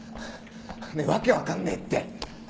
ねえ訳わかんねえって！